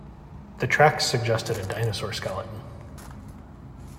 The tracks suggested a dinosaur skeleton.